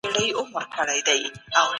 د ابن خلدون بحثونه نن هم د ارزښت وړ دي.